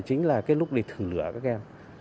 chính là lúc để thử lửa các em